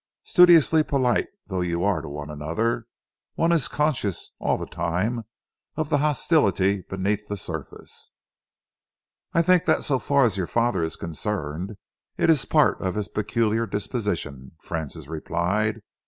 Studiously polite though you are to one another, one is conscious all the time of the hostility beneath the surface." "I think that so far as your father is concerned, it is part of his peculiar disposition," Francis replied.